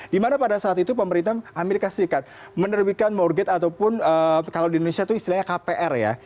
dimana pada saat itu pemerintah amerika serikat menerbitkan morgate ataupun kalau di indonesia itu istilahnya kpr ya